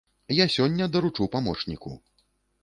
Я сёння даручу памочніку.